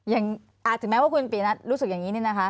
ถึงแม้ว่าคุณปีนัทรู้สึกอย่างนี้นี่นะคะ